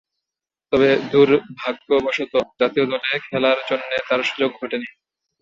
তবে, দূর্ভাগ্যবশতঃ জাতীয় দলে খেলার জন্যে তার সুযোগ ঘটেনি।